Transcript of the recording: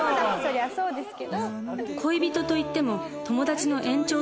そりゃそうですけど。